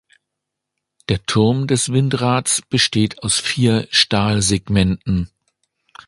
Der Turm des Windrads besteht aus vier Stahlsegmenten.